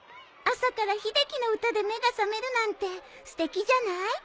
朝から秀樹の歌で目が覚めるなんてすてきじゃない？